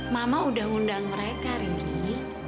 mama udah ngundang mereka riri